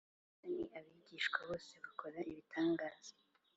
Bose ni abigisha bose bakora ibitangaza